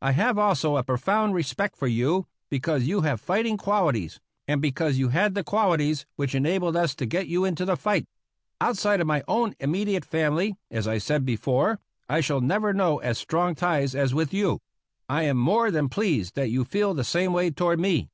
I have also a profound respect for you, because you have fighting qualities, and because you had the qualities which enabled us to get you into the fight. Outside of my own immediate family, as I said before, I shall never know as strong ties as with you. I am more than pleased that you feel the same way toward me.